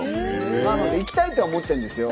なので行きたいとは思ってるんですよ。